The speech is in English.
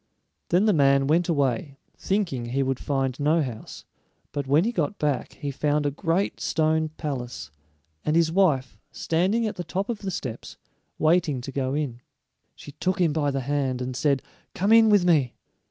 Then the man went away, thinking he would find no house, but when he got back he found a great stone palace, and his wife standing at the top of the steps, waiting to go in. She took him by the hand and said, "Come in with me."